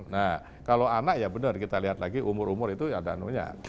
nah kalau anak ya benar kita lihat lagi umur umur itu ada anunya